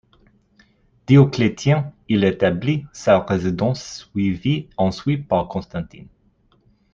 Dioclétien y établit sa résidence, suivi ensuite par Constantin.